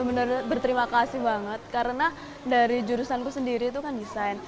benar berterima kasih banget karena dari jurusanku sendiri itu kan desain